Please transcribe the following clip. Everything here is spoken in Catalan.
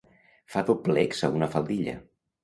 Fa doblecs a una faldilla.